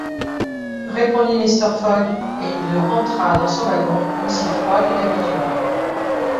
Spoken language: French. répondit Mr. Fogg, et il rentra dans son wagon, aussi froid que d’habitude.